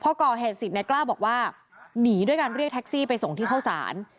พอก่อเหตุเสร็จนายกล้าบอกว่าหนีด้วยการเรียกแท็กซี่ไปส่งที่เข้าสาร